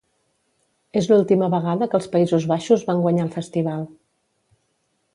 És l'última vegada que els Països Baixos van guanyar el festival.